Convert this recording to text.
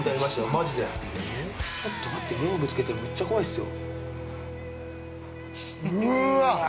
マジでちょっと待ってグローブ着けてるめっちゃ怖いっすよ